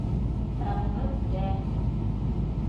Ә ғүмер үтә